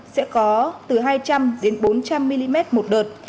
sẽ có từ hai trăm linh bốn trăm linh mm một đợt